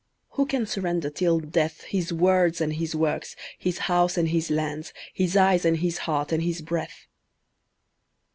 Who can surrender till death His words and his works, his house and his lands, His eyes and his heart and his breath?